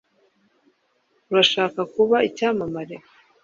Urashaka kuba icyamamare?